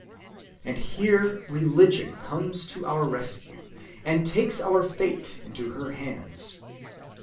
And here religion comes to our rescue and takes our fate into her hands.